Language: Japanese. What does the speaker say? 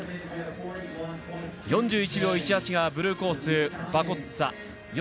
４１秒１８がブルーコース、バゴッツァ。